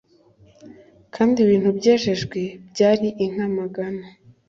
kandi ibintu byejejwe byari inka magana